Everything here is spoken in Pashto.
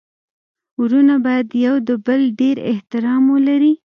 ورونه باید يو د بل ډير احترام ولري.